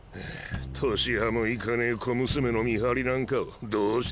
年端も行かねえ小娘の見張りなんかをどうして俺が。